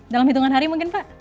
dalam hitungan hari mungkin pak